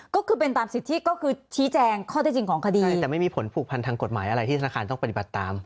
ก็คือเป็นตามสิทธิก็คือชี้แจงข้อที่จริงของคดีใช่แต่ไม่มีผลผูกพันทางกฎหมายอะไรที่ธนาคารต้องปฏิบัติตาม